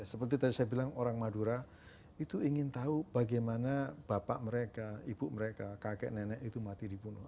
seperti tadi saya bilang orang madura itu ingin tahu bagaimana bapak mereka ibu mereka kakek nenek itu mati dibunuh